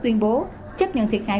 tuyên bố chấp nhận thiệt hại